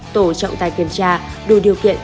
tổ trọng tài kiểm tra đủ điều kiện